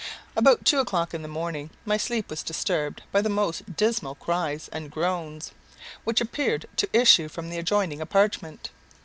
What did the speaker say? About two o'clock in the morning my sleep was disturbed by the most dismal cries and groans, which appeared to issue from the adjoining apartment.